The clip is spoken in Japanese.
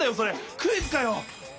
クイズかよ。